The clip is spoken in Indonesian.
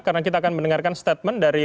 karena kita akan mendengarkan statement dari